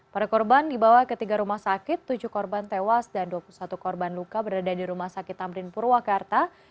para korban dibawa ke tiga rumah sakit tujuh korban tewas dan dua puluh satu korban luka berada di rumah sakit tamrin purwakarta